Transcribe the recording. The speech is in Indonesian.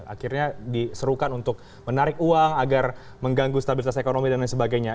akhirnya diserukan untuk menarik uang agar mengganggu stabilitas ekonomi dan lain sebagainya